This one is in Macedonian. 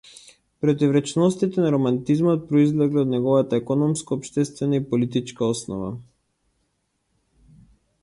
Противречностите на романтизмот произлегле од неговата економско-општествена и политичка основа.